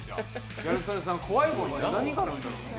ギャル曽根さん、怖いもの何があるんですか？